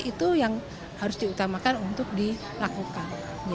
itu yang harus diutamakan untuk dilakukan